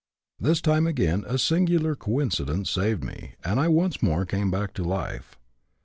This time again a singular coincidence saved me, and I once more came back to life.